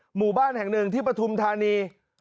หมู่บ้านแห่งหนึ่งที่ปฐุมธานี